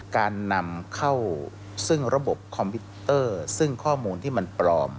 การนำเข้าซึ่งระบบคอมพิวเตอร์ซึ่งข้อมูลที่มันปลอม